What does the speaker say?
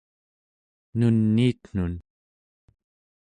nuniitnun